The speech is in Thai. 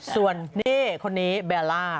ส่วนนี่คนนี้เบลล่า